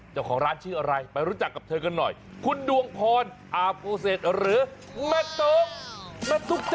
จะของร้านชื่ออะไรไปรู้จักกับเธอกันหน่อยคุณดวงพลอาฟโกเซตหรือแม่ตุ๊ก